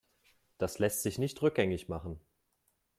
Das lässt sich nicht rückgängig machen.